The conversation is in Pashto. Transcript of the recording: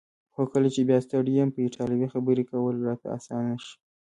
خو کله چې بیا ستړی یم په ایټالوي خبرې کول راته اسانه شي.